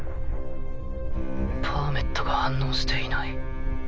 パーメットが反応していない。